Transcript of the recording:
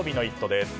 です。